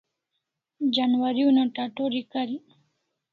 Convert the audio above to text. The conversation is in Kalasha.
Janwari una tatori karik